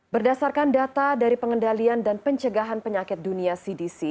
berdasarkan data dari pengendalian dan pencegahan penyakit dunia cdc